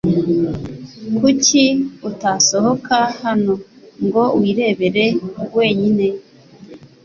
Kuki utasohoka hano ngo wirebere wenyine?